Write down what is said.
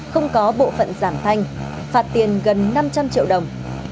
không có bộ phận giảm thanh phạt tiền gần năm trăm linh triệu đồng